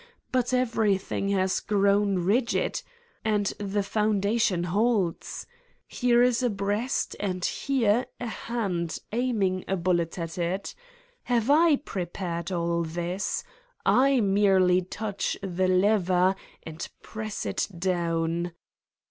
But ev erything has grown rigid and the foundation holds. Here is a breast and here a hand aiming a bullet at it. Have I prepared all this? I merely touch the lever and press it down.